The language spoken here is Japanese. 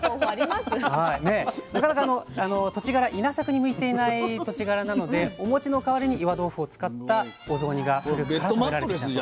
土地柄稲作に向いていない土地柄なのでお餅の代わりに岩豆腐を使ったお雑煮が振る舞われられていたと。